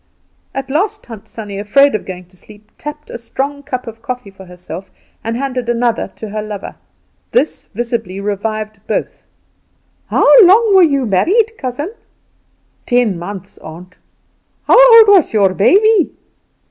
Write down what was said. At last Tant Sannie, afraid of going to sleep, tapped a strong cup of coffee for herself and handed another to her lover. This visibly revived both. "How long were you married, cousin?" "Ten months, aunt." "How old was your baby?"